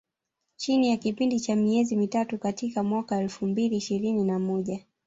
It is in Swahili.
Chini ya kipindi cha miezi mitatu katika mwaka wa elfu mbili ishirini na moja